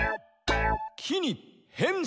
「木に変身！」